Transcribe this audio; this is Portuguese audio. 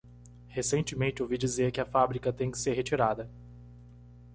Recentemente ouvi dizer que a fábrica tem que ser retirada.